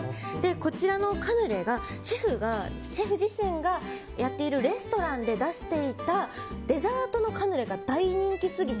こちらのカヌレがシェフ自身がやっているレストランで出していたデザートのカヌレが大人気すぎて